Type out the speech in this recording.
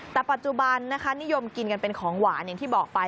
แต่ปัจจุบันนะคะนิยมกินกันเป็นของหวานอย่างที่บอกไป